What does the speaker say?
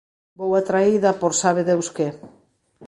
Vou atraída por sabe Deus que